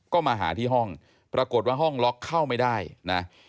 ก็มาหาที่ห้องปรากฏว่าห้องล็อกเข้าไม่ได้นะ